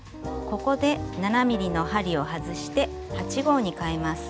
ここで７ｍｍの針を外して８／０号にかえます。